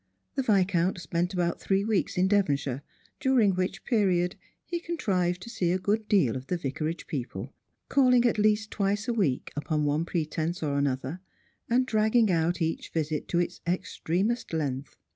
The Viscount spent about three weeks in Devonshire, during which period he con trived to see a good deal of the Vicarage people — calling at least twice a week, upon one pretence or another, and dragging out each visit to its extremest length.